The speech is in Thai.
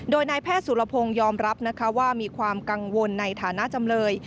โดยนายแพทย์สุรพงศ์ยอมรับนะคะว่ามีความกังวลในฐานะจำเลย